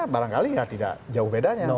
barangkali ya tidak jauh bedanya